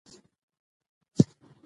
سیندونه د افغانستان د صادراتو برخه ده.